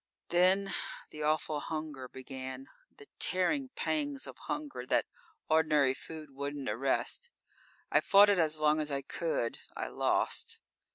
_ _Then, the awful hunger began. The tearing pangs of hunger that ordinary food wouldn't arrest. I fought it as long as I could. I lost.